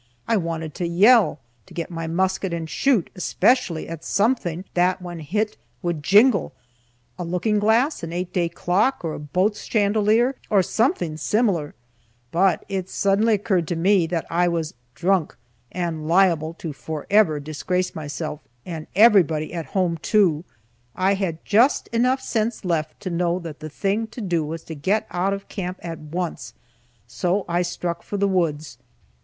I wanted to yell, to get my musket and shoot, especially at something that when hit would jingle a looking glass, an eight day clock, or a boat's chandelier, or something similar But it suddenly occurred to me that I was drunk, and liable to forever disgrace myself, and everybody at home, too. I had just sense enough left to know that the thing to do was to get out of camp at once, so I struck for the woods.